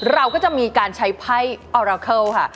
เราก็จะมีการใช้ไพ้อราเคิลค่ะ